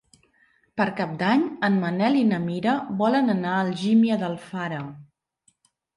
Per Cap d'Any en Manel i na Mira volen anar a Algímia d'Alfara.